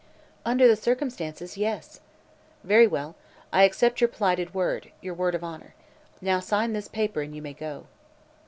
"Under the circumstances, yes." "Very well. I accept your plighted word your word of honor. Now sign this paper and you may go."